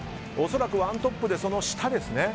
恐らく１トップでその下ですね。